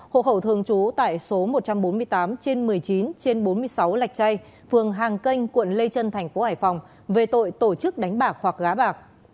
hộ hậu thường trú tại số một trăm bốn mươi tám trên một mươi chín trên bốn mươi sáu lạch chay phường hàng canh quận lê trân tp hải phòng về tội tổ chức đánh bạc hoặc gá bạc